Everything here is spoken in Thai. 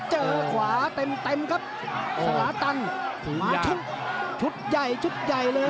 เจอขวาเต็มเต็มครับสลาตันชุดชุดใหญ่ชุดใหญ่เลย